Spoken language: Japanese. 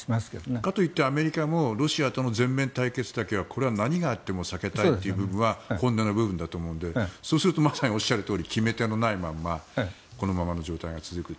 かといってアメリカもロシアとの全面対決だけはこれは何があっても避けたいということは本音の部分だと思うのでそうするとおっしゃるとおり決め手のないままこのままの状態が続くと。